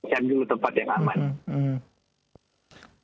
kita ambil tempat yang aman